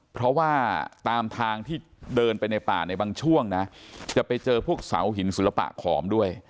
เพราะว่าตามทางที่เดินไปในป่าในบางช่วงนะจะไปเจอพวกเสาหินศิลปะขอมด้วย